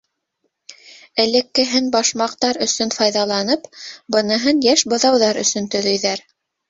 Элеккеһен башмаҡтар өсөн файҙаланып, быныһын йәш быҙауҙар өсөн төҙөйҙәр.